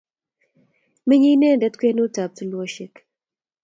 Menye inendet kwenut ap tulwoshek.